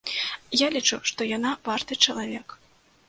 Я лічу, што яна варты чалавек.